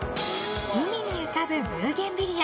海に浮かぶブーゲンビリア。